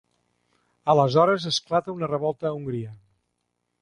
Aleshores esclata una revolta a Hongria.